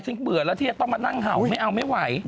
เบื่อแล้วที่จะต้องมานั่งเห่าไม่เอาไม่ไหว